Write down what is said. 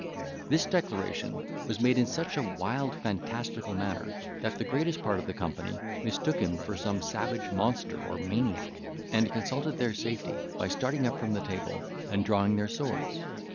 This declaration was made in such a wild, fantastical manner, that the greatest part of the company mistook him for some savage monster or maniac, and consulted their safety by starting up from table, and drawing their swords.